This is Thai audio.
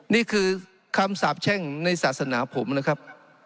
นี่คือคำสาบแช่งในศาสนาผมนะครับ